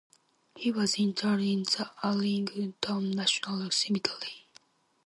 He was interred in the Arlington National Cemetery.